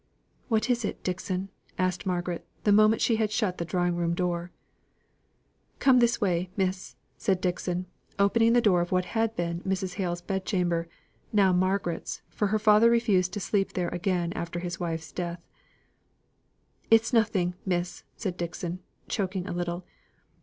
"What is it, Dixon?" asked Margaret, the moment she had shut the drawing room door. "Come this way, miss," said Dixon, opening the door of what had been Mrs. Hale's bed chamber, now Margaret's, for her father refused to sleep there again after his wife's death. "It's nothing, miss," said Dixon, choking a little.